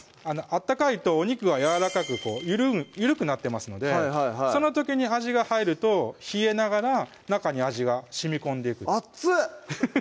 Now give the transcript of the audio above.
温かいとお肉がやわらかく緩くなってますのでその時に味が入ると冷えながら中に味がしみこんでいく熱っ！